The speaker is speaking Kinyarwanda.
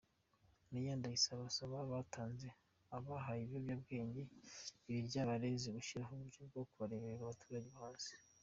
Mayor Ndayisaba asaba abatanze abahaye ibyangombwa “ibiryabarezi” gushyiraho uburyo bwo kureberera abaturage bo hasi.